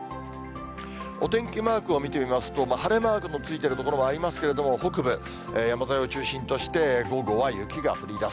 お天気マークを見てみますと、晴れマークのついている所もありますけれども、北部、山沿いを中心として、午後は雪が降りだす。